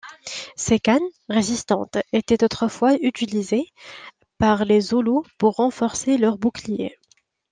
Ses cannes, résistantes, étaient autrefois utilisées par les Zoulous pour renforcer leurs boucliers.